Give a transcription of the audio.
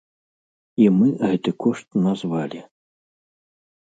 І мы гэты кошт назвалі.